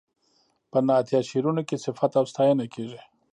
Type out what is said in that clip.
په نعتیه شعرونو کې صفت او ستاینه کیږي.